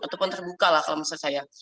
ataupun terbuka lah kalau maksud saya